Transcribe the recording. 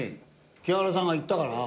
木原さんが言ったから。